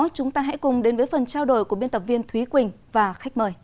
chúng ta hãy cùng đến với phần trao đổi của biên tập viên thúy quỳnh và khách mời